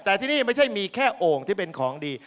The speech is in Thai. แต่ที่นี่ไม่ใช่มีแค่โอ่งที่เป็นของดี